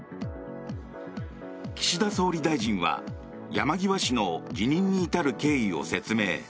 岸田総理大臣は山際氏の辞任に至る経緯を説明。